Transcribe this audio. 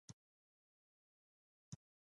د ژبې ګډون دوی سره نښلوي.